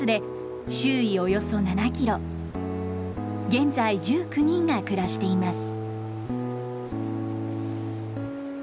現在１９人が暮らしています。